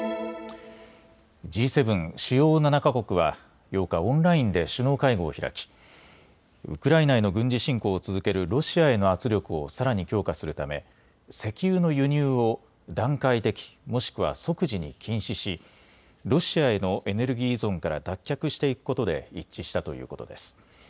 Ｇ７・主要７か国は８日、オンラインで首脳会合を開きウクライナへの軍事侵攻を続けるロシアへの圧力をさらに強化するため石油の輸入を段階的、もしくは即時に禁止しロシアへのエネルギー依存から脱却していくことで一致したということです。